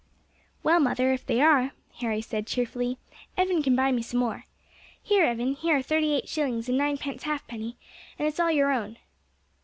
"Well, mother, if they are," Harry said cheerfully, "Evan can buy some more. Here, Evan; here are thirty eight shillings and ninepence halfpenny, and it's all your own."